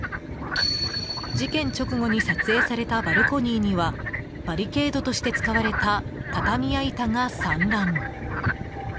事件直後に撮影されたバルコニーにはバリケードとして使われた畳や板が散乱。